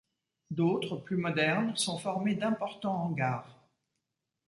D'autres, plus modernes, sont formées d'importants hangars.